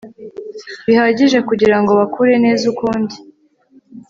bihagije kugira ngo bakure neza kandi